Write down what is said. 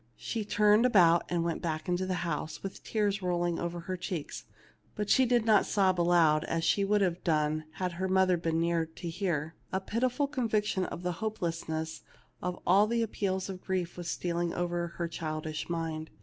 She turned about and went back to the house, with the tears rolling over her cheeks ; but she did not sob aloud, as she would have done had her mother been near to hear. A pitiful conviction of the hopelessness of all the appeals of grief was stealing over her childish mind.